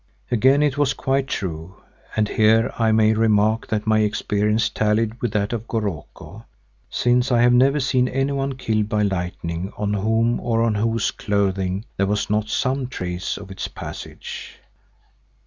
Again it was quite true and here I may remark that my experience tallied with that of Goroko, since I have never seen anyone killed by lightning on whom or on whose clothing there was not some trace of its passage.